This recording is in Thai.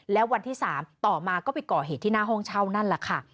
แล้ววันที่๓ต่อมาก็ไปก่อเหตุที่หน้าห้องเช่านั่นแหละค่ะ